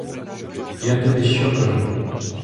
Я тобі що кажу?